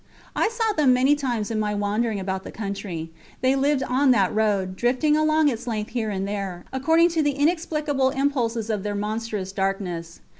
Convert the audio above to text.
I saw them many times in my wandering about the country. They lived on that road, drifting along its length here and there, according to the inexplicable impulses of their monstrous darkness.